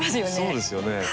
そうですよね。